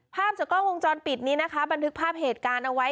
ภาพจากกล้องวงจรปิดนี้นะคะบันทึกภาพเหตุการณ์เอาไว้